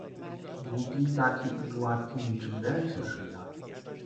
Długi taki i gładki, niczym gęsia szyja.